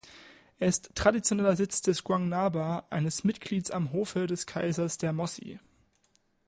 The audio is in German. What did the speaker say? Er ist traditioneller Sitz des Goung-Naaba, eines Mitglieds am Hofe des Kaisers der Mossi.